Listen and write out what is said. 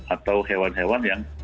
atau hewan hewan yang